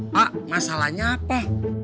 pak masalahnya apa